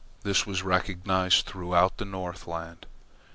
This was recognized throughout the Northland.